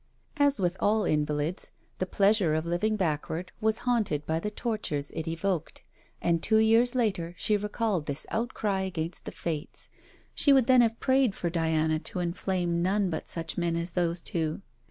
As with all invalids, the pleasure of living backward was haunted by the tortures it evoked, and two years later she recalled this outcry against the Fates. She would then have prayed for Diana to inflame none but such men as those two.